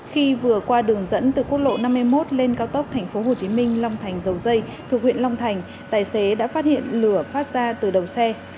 khi vừa qua đường dẫn từ quốc lộ năm mươi một lên cao tốc tp hcm long thành dầu dây thuộc huyện long thành tài xế đã phát hiện lửa phát ra từ đầu xe